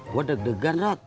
gua deg degan rat